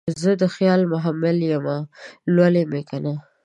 زه دخیال محمل یمه لولی مې کنه